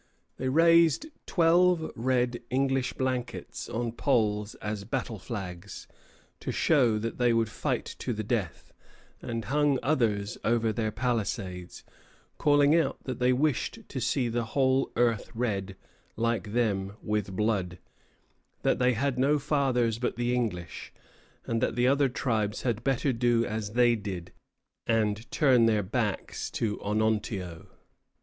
They raised twelve red English blankets on poles as battle flags, to show that they would fight to the death, and hung others over their palisades, calling out that they wished to see the whole earth red, like them, with blood; that they had no fathers but the English, and that the other tribes had better do as they did, and turn their backs to Onontio.